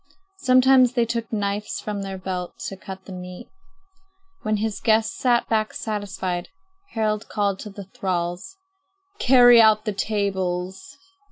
Sometimes they took knives from their belts to cut the meat. When the guests sat back satisfied, Harald called to the thralls: "Carry out the tables."